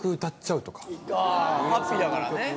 ハッピーだからね！